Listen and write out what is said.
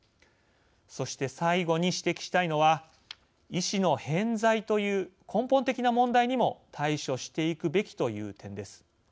そして最後に指摘したいのは医師の偏在という根本的な問題にも対処していくべきという点です。